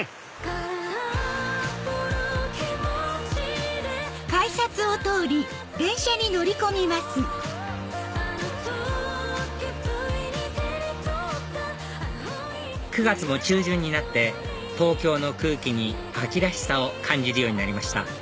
『空っぽ』９月も中旬になって東京の空気に秋らしさを感じるようになりました